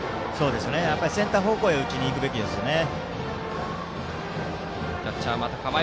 センター方向へ打ちに行くべきですね。